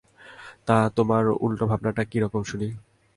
তা তোমার উলটো ভাবনাটা কিরকম শুনি।